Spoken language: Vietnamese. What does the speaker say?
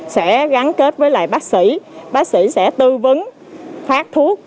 sẽ gắn kết với lại bác sĩ bác sĩ sẽ tư vấn phát thuốc